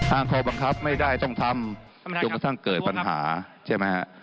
ข้อบังคับไม่ได้ต้องทำจนกระทั่งเกิดปัญหาใช่ไหมฮะ